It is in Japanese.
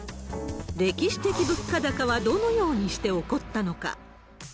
歴史的物価高はどのようにして起こったのか。